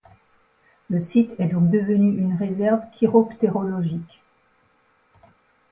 Le site est donc devenu une réserve chiroptérologique.